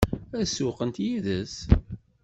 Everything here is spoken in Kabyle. Ad sewweqent yid-s?